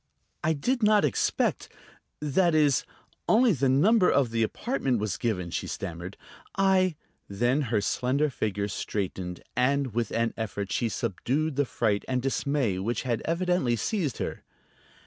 "I did not expect ... that is, only the number of the apartment was given," she stammered. "I ..." Then her slender figure straightened, and with an effort she subdued the fright and dismay which had evidently seized her.